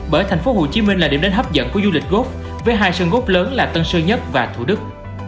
bởi tp hcm là điểm đánh hấp dẫn của du lịch gold với hai sân gold lớn là tân sơn nhất và thủ đức